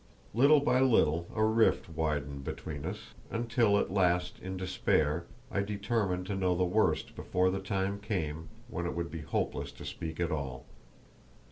Little by little, a rift widened between us, until at last in despair I determined to know the worst before the time came when it would be hopeless to speak at all.